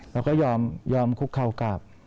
แล้วก็ยอมคุกเข่ากราบ